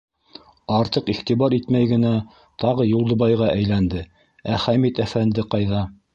Артыҡ иғтибар итмәй генә тағы Юлдыбайға әйләнде: - Ә Хәмит әфәнде ҡайҙа?